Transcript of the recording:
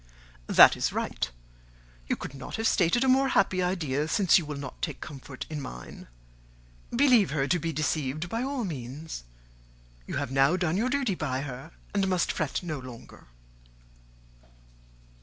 "That is right. You could not have started a more happy idea, since you will not take comfort in mine: believe her to be deceived, by all means. You have now done your duty by her, and must fret no longer."